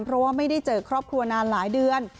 เพราะว่าไม่ได้เจอครอบครัวนานหลายเดือน